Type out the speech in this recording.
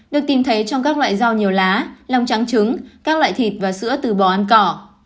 được tìm thấy trong các loại rau nhiều lá long trắng trứng các loại thịt và sữa từ bò ăn cỏ